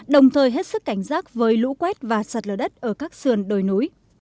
đồng thời hết sức cảnh giác với lũ quét và sạt lở đất ở các sườn đồi núi